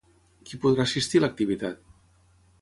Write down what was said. Qui podrà assistir a l'activitat?